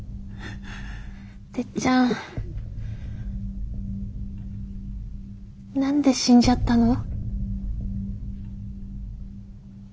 てっちゃん何で死んじゃったの？